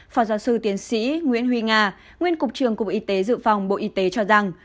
phó giáo sư tiến sĩ nguyễn huy nga nguyên cục trường cục y tế dự phòng bộ y tế cho rằng